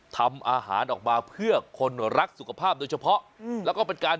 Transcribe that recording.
ทำอาหารออกมาเพื่อคนรักสุขภาพโดยเฉพาะแล้วก็เป็นการ